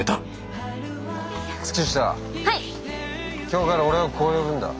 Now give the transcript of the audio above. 今日から俺をこう呼ぶんだ。